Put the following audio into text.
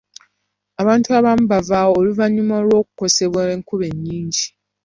Abantu abamu baavaawo oluvannyuma lw'okukosebwa enkuba ennyingi.